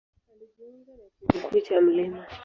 Alijiunga na Chuo Kikuu cha Mt.